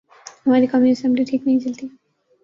ہماری قومی اسمبلی ٹھیک نہیں چلتی۔